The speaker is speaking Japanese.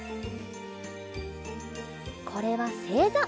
これはせいざ。